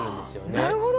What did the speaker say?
なるほど。